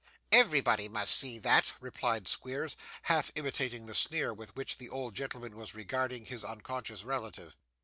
'Everybody must see that,' replied Squeers, half imitating the sneer with which the old gentleman was regarding his unconscious relative.